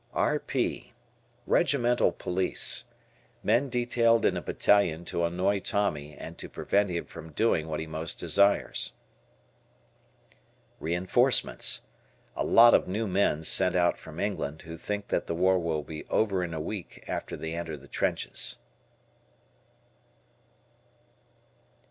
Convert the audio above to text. R.P. Regimental Police. Men detailed in a Battalion to annoy Tommy and to prevent him from doing what he most desires. Reinforcements. A lot of new men sent out from England who think that the war will be over a week after they enter the trenches.